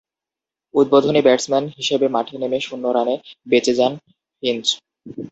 উদ্বোধনী ব্যাটসম্যান হিসেবে মাঠে নেমে শূন্য রানে বেঁচে যান ফিঞ্চ।